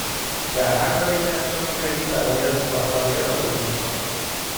در هرکاری که انجام می دهی برایت موفقیت آرزو می کنم.